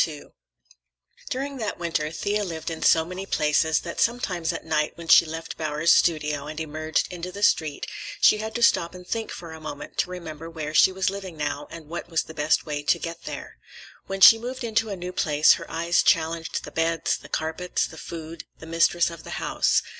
II During that winter Thea lived in so many places that sometimes at night when she left Bowers's studio and emerged into the street she had to stop and think for a moment to remember where she was living now and what was the best way to get there. When she moved into a new place her eyes challenged the beds, the carpets, the food, the mistress of the house.